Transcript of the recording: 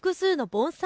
盆栽